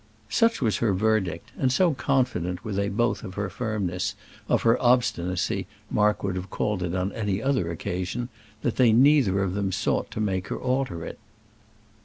Such was her verdict, and so confident were they both of her firmness of her obstinacy Mark would have called it on any other occasion, that they, neither of them, sought to make her alter it.